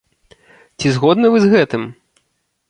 Ці згодны вы з гэтым?